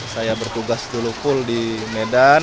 saya bertugas dulu full di medan